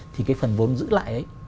thì cái phần vốn giữ lại ấy